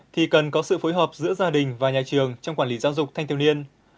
thì cần có sự phối hợp giữa gia đình và nhà trường trong quản lý giáo dục thanh thiếu niên